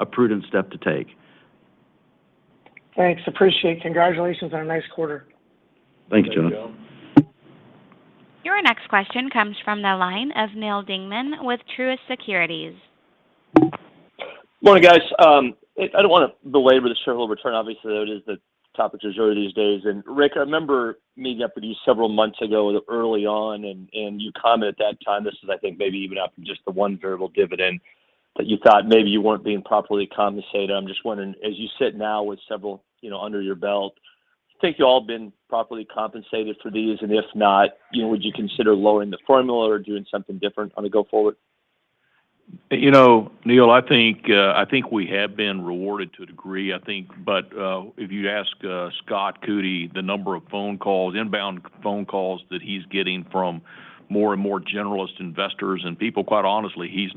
a prudent step to take. Thanks. Appreciate it. Congratulations on a nice quarter. Thanks, John. Your next question comes from the line of Neal Dingmann with Truist Securities. Morning, guys. I don't wanna belabor the shareholder return. Obviously, that is the topic du jour these days. Rick, I remember meeting up with you several months ago, early on, and you commented at that time. I think maybe even after just the one variable dividend, that you thought maybe you weren't being properly compensated. I'm just wondering, as you sit now with several, you know, under your belt, do you think you all have been properly compensated for these? If not, you know, would you consider lowering the formula or doing something different on the go forward? You know, Neil, I think we have been rewarded to a degree, I think. If you ask Scott Coody the number of phone calls, inbound phone calls that he's getting from more and more generalist investors and people, quite honestly, he's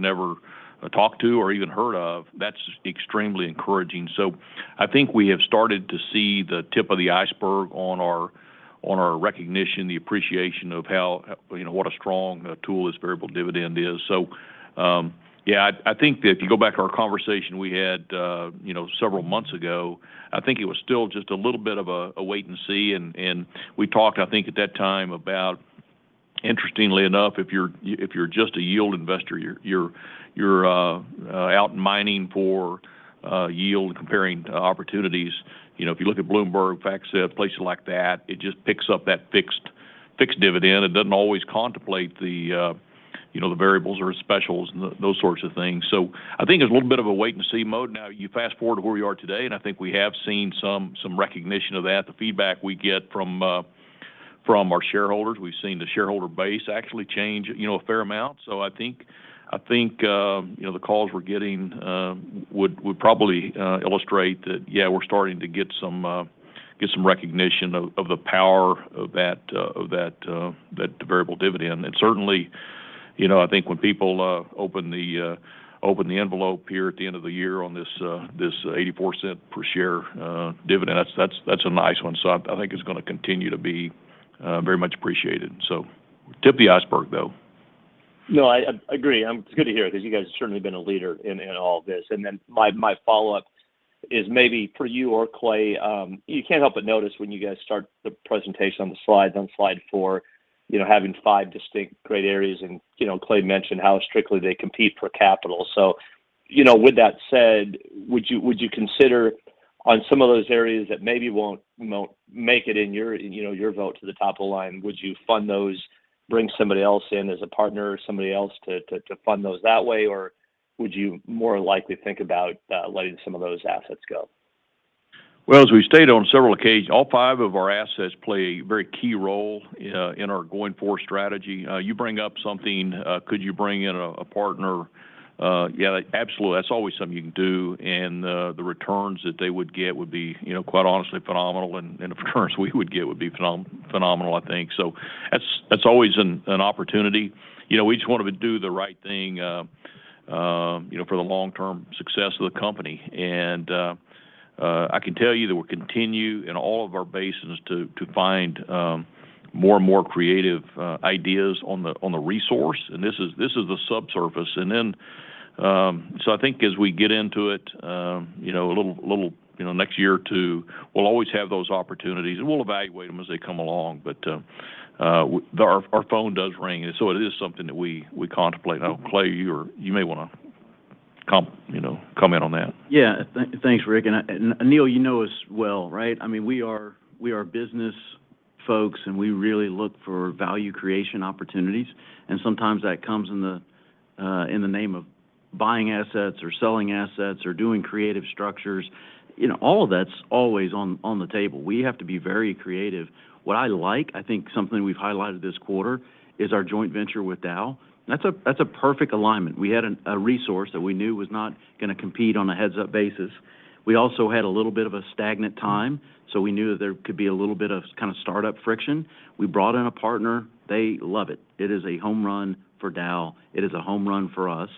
never talked to or even heard of, that's extremely encouraging. So I think we have started to see the tip of the iceberg on our recognition, the appreciation of how, you know, what a strong tool this variable dividend is. So. Yeah, I think that if you go back to our conversation we had, you know, several months ago, I think it was still just a little bit of a wait and see. We talked, I think, at that time about, interestingly enough, if you're just a yield investor, you're out mining for yield comparing to opportunities, you know, if you look at Bloomberg, FactSet, places like that, it just picks up that fixed dividend. It doesn't always contemplate the, you know, the variables or specials and those sorts of things. I think there's a little bit of a wait and see mode now. You fast-forward to where we are today, and I think we have seen some recognition of that. The feedback we get from our shareholders. We've seen the shareholder base actually change, you know, a fair amount. I think you know, the calls we're getting would probably illustrate that, yeah, we're starting to get some recognition of the power of that variable dividend. Certainly, you know, I think when people open the envelope here at the end of the year on this $0.84 per share dividend, that's a nice one. I think it's gonna continue to be very much appreciated. Tip of the iceberg, though. No, I agree. It's good to hear 'cause you guys have certainly been a leader in all of this. My follow-up is maybe for you or Clay. You can't help but notice when you guys start the presentation on the slides, on slide four, you know, having five distinct great areas, and, you know, Clay mentioned how strictly they compete for capital. With that said, would you consider on some of those areas that maybe won't make it in your, you know, your vote to the top of the line, would you fund those, bring somebody else in as a partner or somebody else to fund those that way? Or would you more likely think about letting some of those assets go? Well, as we stated on several occasions, all five of our assets play a very key role in our going forward strategy. You bring up something, could you bring in a partner? Yeah, absolutely. That's always something you can do, and the returns that they would get would be, you know, quite honestly phenomenal, and the returns we would get would be phenomenal, I think. That's always an opportunity. You know, we just wanna do the right thing, you know, for the long-term success of the company. I can tell you that we'll continue in all of our basins to find more and more creative ideas on the resource, and this is the subsurface. I think as we get into it, you know, a little next year or two, we'll always have those opportunities, and we'll evaluate them as they come along. Our phone does ring, and so it is something that we contemplate. I don't know, Clay, you may wanna, you know, comment on that. Thanks, Rick. Neil, you know us well, right? I mean, we are business folks, and we really look for value creation opportunities, and sometimes that comes in the name of buying assets or selling assets or doing creative structures. You know, all of that's always on the table. We have to be very creative. What I like, I think something we've highlighted this quarter, is our joint venture with Dow, and that's a perfect alignment. We had a resource that we knew was not gonna compete on a heads-up basis. We also had a little bit of a stagnant time, so we knew that there could be a little bit of kind of startup friction. We brought in a partner. They love it. It is a home run for Dow. It is a home run for us.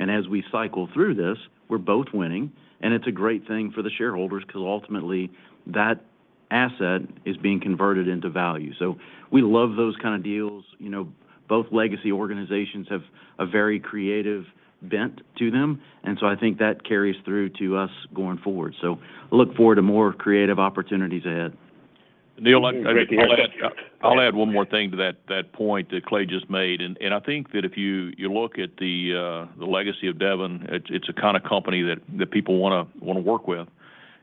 As we cycle through this, we're both winning, and it's a great thing for the shareholders 'cause ultimately that asset is being converted into value. We love those kind of deals. You know, both legacy organizations have a very creative bent to them, and so I think that carries through to us going forward. I look forward to more creative opportunities ahead. Neil, I'd just add that. I'll add one more thing to that point that Clay just made. I think that if you look at the legacy of Devon, it's a kind of company that people wanna work with.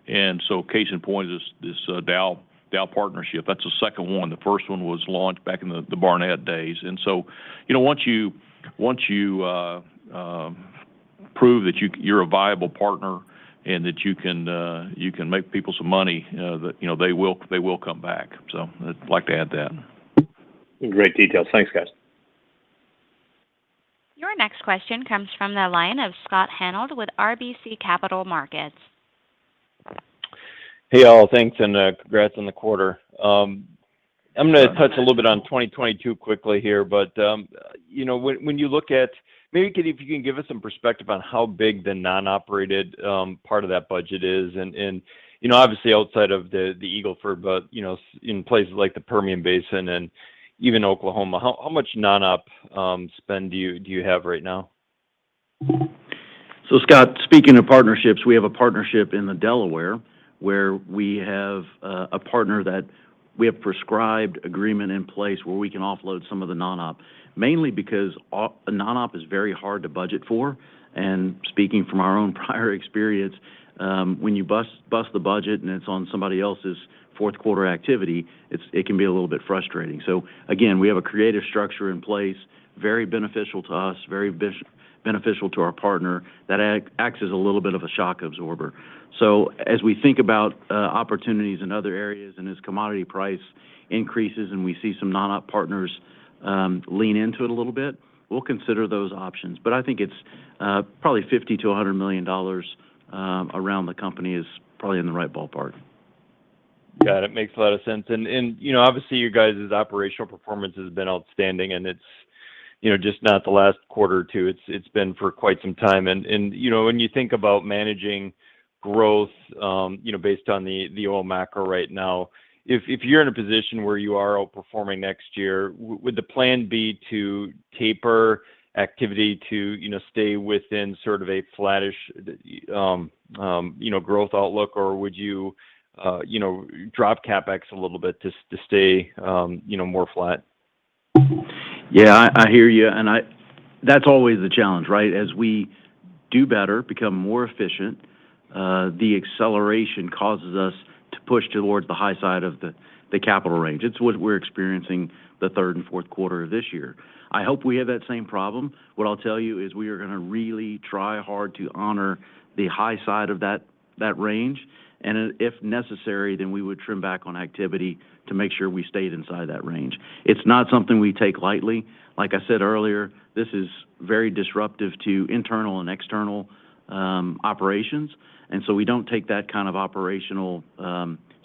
Case in point is this Dow partnership. That's the second one. The first one was launched back in the Barnett days. You know, once you prove that you're a viable partner and that you can make people some money, that you know, they will come back. I'd like to add that. Great details. Thanks, guys. Your next question comes from the line of Scott Hanold with RBC Capital Markets. Hey, all. Thanks and congrats on the quarter. I'm gonna touch a little bit on 2022 quickly here, but you know, when you look at maybe if you can give us some perspective on how big the non-operated part of that budget is and you know, obviously outside of the Eagle Ford, but you know, in places like the Permian Basin and even Oklahoma, how much non-op spend do you have right now? Scott, speaking of partnerships, we have a partnership in the Delaware where we have a partner that we have prearranged agreement in place where we can offload some of the non-op. Mainly because non-op is very hard to budget for, and speaking from our own prior experience, when you bust the budget and it's on somebody else's fourth quarter activity, it can be a little bit frustrating. Again, we have a creative structure in place, very beneficial to us, very beneficial to our partner that acts as a little bit of a shock absorber. As we think about opportunities in other areas and as commodity price increases and we see some non-op partners lean into it a little bit, we'll consider those options. I think it's probably $50 million-$100 million around the company is probably in the right ballpark. Got it. Makes a lot of sense. You know, obviously you guys' operational performance has been outstanding, and it's, you know, just not the last quarter or two. It's been for quite some time. You know, when you think about managing growth, you know, based on the oil macro right now, if you're in a position where you are outperforming next year, would the plan be to taper activity to, you know, stay within sort of a flattish, you know, growth outlook? Or would you know, drop CapEx a little bit just to stay, you know, more flat? Yeah, I hear you. That's always the challenge, right? As we do better, become more efficient, the acceleration causes us to push towards the high side of the capital range. It's what we're experiencing the third and fourth quarter of this year. I hope we have that same problem. What I'll tell you is we are gonna really try hard to honor the high side of that range, and if necessary, then we would trim back on activity to make sure we stayed inside that range. It's not something we take lightly. Like I said earlier, this is very disruptive to internal and external operations, and so we don't take that kind of operational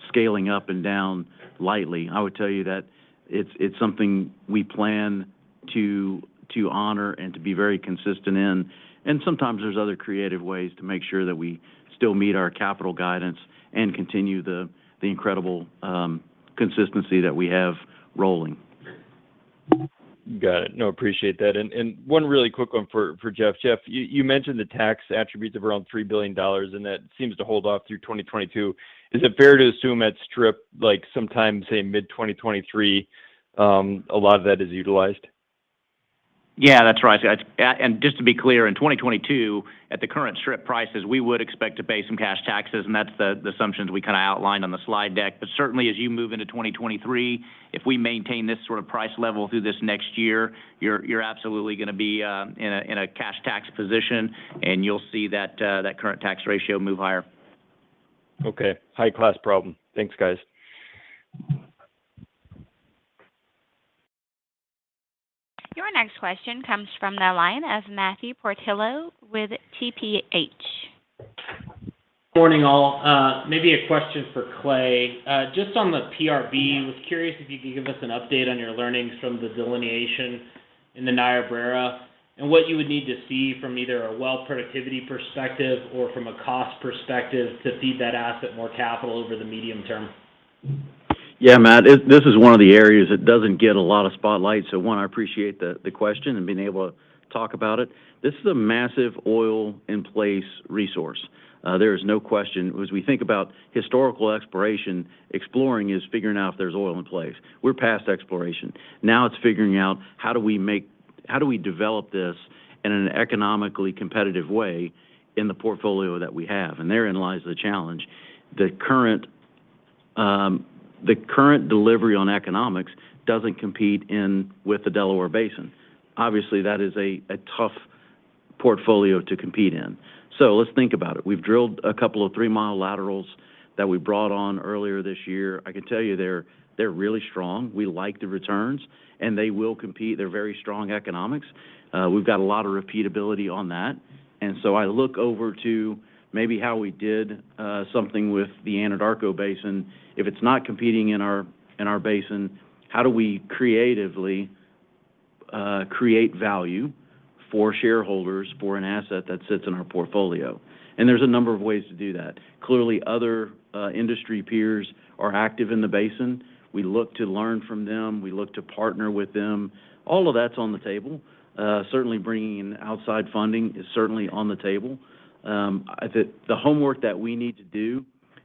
scaling up and down lightly. I would tell you that it's something we plan to honor and to be very consistent in, and sometimes there's other creative ways to make sure that we still meet our capital guidance and continue the incredible consistency that we have rolling. Got it. No, appreciate that. One really quick one for Jeff. Jeff, you mentioned the tax attributes of around $3 billion, and that seems to hold off through 2022. Is it fair to assume that strip, like sometime, say mid-2023, a lot of that is utilized? Yeah, that's right. Just to be clear, in 2022, at the current strip prices, we would expect to pay some cash taxes, and that's the assumptions we kinda outlined on the slide deck. Certainly as you move into 2023, if we maintain this sort of price level through this next year, you're absolutely gonna be in a cash tax position, and you'll see that current tax ratio move higher. Okay. High class problem. Thanks, guys. Your next question comes from the line of Matthew Portillo with TPH. Morning, all. Maybe a question for Clay. Just on the PRB, I was curious if you could give us an update on your learnings from the delineation in the Niobrara, and what you would need to see from either a well productivity perspective or from a cost perspective to feed that asset more capital over the medium term. Yeah, Matt, this is one of the areas that doesn't get a lot of spotlight. One, I appreciate the question and being able to talk about it. This is a massive oil in place resource. There is no question. As we think about historical exploration, exploring is figuring out if there's oil in place. We're past exploration. Now it's figuring out how do we develop this in an economically competitive way in the portfolio that we have? Therein lies the challenge. The current delivery on economics doesn't compete with the Delaware Basin. Obviously, that is a tough portfolio to compete in. Let's think about it. We've drilled a couple of three-mile laterals that we brought on earlier this year. I can tell you they're really strong. We like the returns, and they will compete. They're very strong economics. We've got a lot of repeatability on that. I look over to maybe how we did something with the Anadarko Basin. If it's not competing in our basin, how do we creatively create value for shareholders for an asset that sits in our portfolio? There's a number of ways to do that. Clearly, other industry peers are active in the basin. We look to learn from them. We look to partner with them. All of that's on the table. Certainly bringing in outside funding is certainly on the table. The homework that we need to do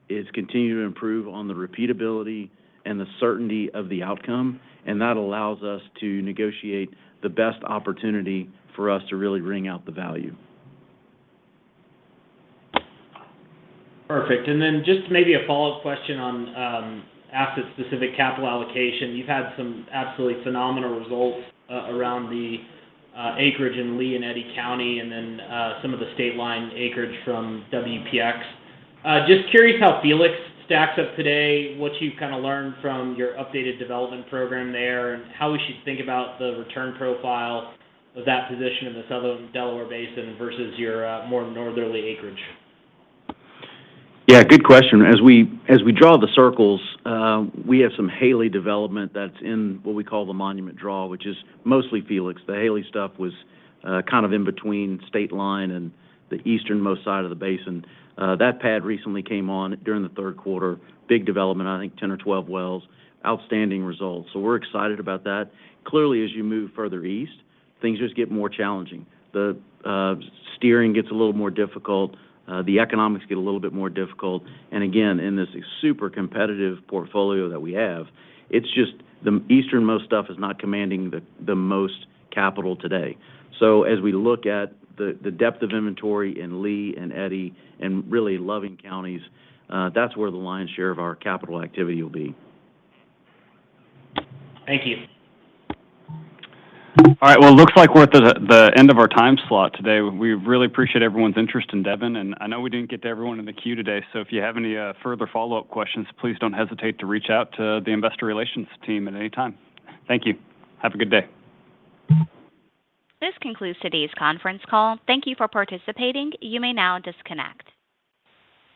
is continue to improve on the repeatability and the certainty of the outcome, and that allows us to negotiate the best opportunity for us to really wring out the value. Perfect. Just maybe a follow-up question on asset-specific capital allocation. You've had some absolutely phenomenal results around the acreage in Lea and Eddy County and then some of the state line acreage from WPX. Just curious how Felix stacks up today, what you've kinda learned from your updated development program there, and how we should think about the return profile of that position in the southern Delaware Basin versus your more northerly acreage. Yeah, good question. As we draw the circles, we have some Haley development that's in what we call the Monument Draw, which is mostly Felix. The Haley stuff was kind of in between state line and the easternmost side of the basin. That pad recently came on during the third quarter. Big development, I think 10 or 12 wells. Outstanding results. We're excited about that. Clearly, as you move further east, things just get more challenging. The steering gets a little more difficult. The economics get a little bit more difficult. Again, in this super competitive portfolio that we have, it's just the easternmost stuff is not commanding the most capital today. As we look at the depth of inventory in Lea and Eddy and really Loving counties, that's where the lion's share of our capital activity will be. Thank you. All right. Well, it looks like we're at the end of our time slot today. We really appreciate everyone's interest in Devon, and I know we didn't get to everyone in the queue today, so if you have any further follow-up questions, please don't hesitate to reach out to the investor relations team at any time. Thank you. Have a good day. This concludes today's conference call. Thank you for participating. You may now disconnect.